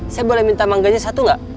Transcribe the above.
saya boleh minta mangganya satu nggak